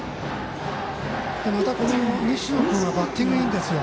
また、西野君はバッティングいいんですよ。